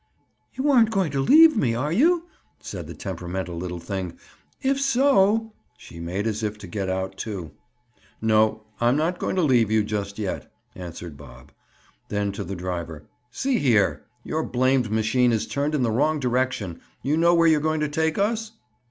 "You aren't going to leave me, are you?" said the temperamental little thing. "If so—" She made as if to get out, too. "No; I'm not going to leave you just yet," answered Bob. Then to the driver: "See here! Your blamed machine is turned in the wrong direction. You know where you're going to take us?"